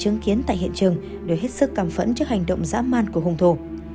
chứng kiến tại hiện trường đều hết sức cằm phẫn trước hành động dã man của hùng thổ